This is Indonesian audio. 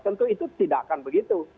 tentu itu tidak akan begitu